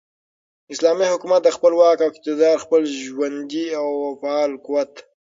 اسلامي حكومت دخپل واك او اقتدار ،خپل ژوندي او فعال قوت ،